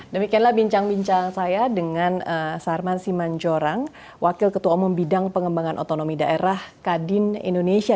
demikianlah bincang bincang saya dengan sarman simanjorang wakil ketua umum bidang pengembangan otonomi daerah kadin indonesia